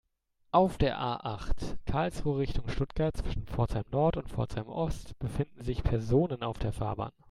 Auf der A-acht, Karlsruhe Richtung Stuttgart, zwischen Pforzheim-Nord und Pforzheim-Ost befinden sich Personen auf der Fahrbahn.